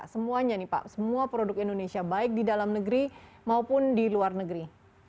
semuanya nih pak semua produk indonesia baik di dalam negeri maupun di luar negeri